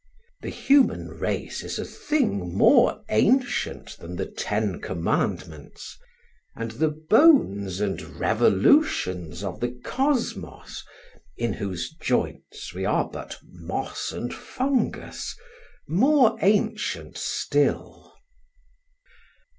The human race is a thing more ancient than the ten commandments; and the bones and revolutions of the Kosmos, in whose joints we are but moss and fungus, more ancient still.